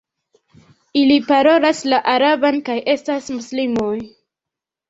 Ili parolas la araban kaj estas muslimoj.